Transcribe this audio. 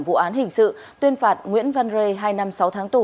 vụ án hình sự tuyên phạt nguyễn văn rê hai năm sáu tháng tù